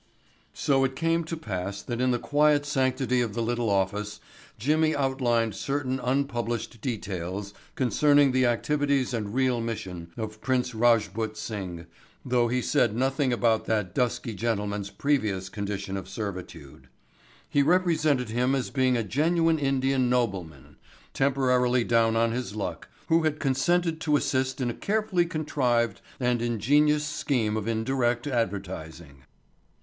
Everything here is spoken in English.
So it came to pass that in the quiet sanctity of the little office Jimmy outlined certain unpublished details concerning the activities and real mission of Prince Rajput Singh though he said nothing about that dusky gentleman's previous condition of servitude. He represented him as being a genuine Indian nobleman, temporarily down on his luck, who had consented to assist in a carefully contrived and ingenious scheme of indirect advertising.